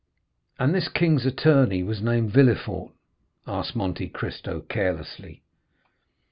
"And this king's attorney was named Villefort?" asked Monte Cristo carelessly.